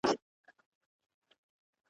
له بدو څخه یا غلی اوسه یا لیري اوسه